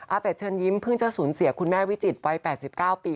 เป็ดเชิญยิ้มเพิ่งจะสูญเสียคุณแม่วิจิตรวัย๘๙ปี